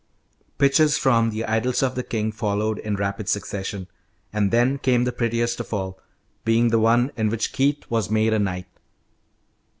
Pictures from the "Idylls of the King" followed in rapid succession, and then came the prettiest of all, being the one in which Keith was made a knight.